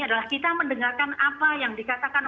adalah kita mendengarkan apa yang dikatakan